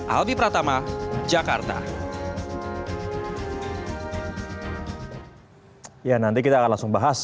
albi pratama jakarta